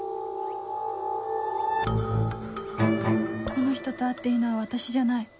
この人と会っていいのは私じゃない